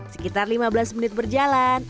sekitar lima belas menit berjalan